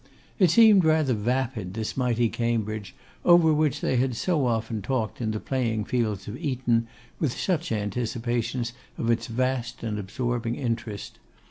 It seemed rather vapid this mighty Cambridge, over which they had so often talked in the playing fields of Eton, with such anticipations of its vast and absorbing interest.